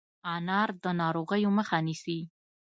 انار د ناروغیو مخه نیسي.